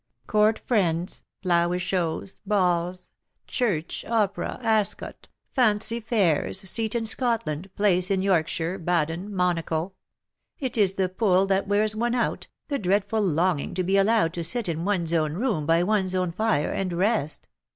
Court, friends, flower shows, balls, church, opera, Ascot, fancy fairs, seat in Scotland, place in York shire, Baden, Monaco. It is the pull that wears one out, the dreadful longing to be allowed to sit in one's own room by one's own fire, and rest.